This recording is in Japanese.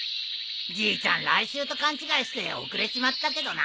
じいちゃん来週と勘違いして遅れちまったけどな。